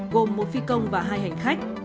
gồm một phi công và hai hành khách